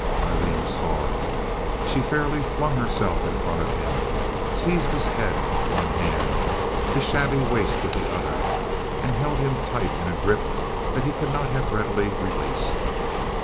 Aileen saw it. She fairly flung herself in front of him, seized his head with one hand, his shabby waist with the other, and held him tight in a grip that he could not have readily released.